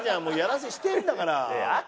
もうやらせしてんだから。